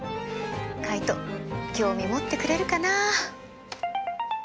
カイト興味持ってくれるかな？